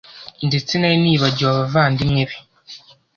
ndetse nari nibagiwe abavandimwe be